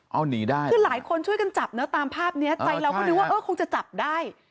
เอาหนีได้คือหลายคนช่วยกันจับนะตามภาพเนี้ยใจเราก็นึกว่าเออคงจะจับได้